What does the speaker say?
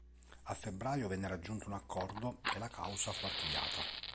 A febbraio venne raggiunto un accordo e la causa fu archiviata.